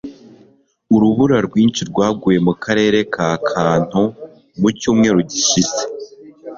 Urubura rwinshi rwaguye mu karere ka Kanto mu cyumweru gishize.